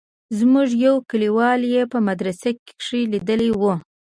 زموږ يو کليوال يې په مدرسه کښې ليدلى و.